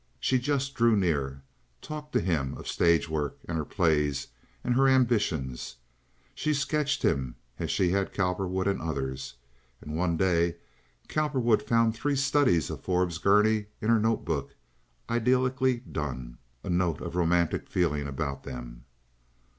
She just drew near, talked to him of stage work and her plays and her ambitions. She sketched him as she had Cowperwood and others, and one day Cowperwood found three studies of Forbes Gurney in her note book idyllicly done, a note of romantic feeling about them.